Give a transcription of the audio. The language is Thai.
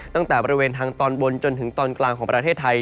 ตั้งแต่บริเวณทางตอนบนจนถึงตอนกลางของประเทศไทย